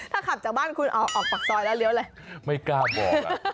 ถ้าขับจากบ้านคุณออกปากซอยแล้วเลี้ยวเลยไม่กล้าบอก